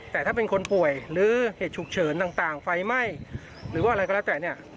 แต่ถ้าเป็นคนป่วยหรือเหตุฉุกเฉินต่างไฟไหม้หรือว่าอะไรก็แล้วแต่เนี่ย